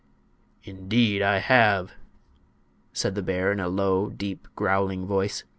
"Indeed I have," said the bear, in a low, deep, growling voice.